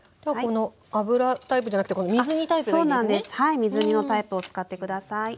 水煮のタイプを使って下さい。